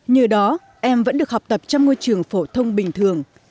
nhờ đó em vẫn được học tập trong môi trường phổ thông bình thường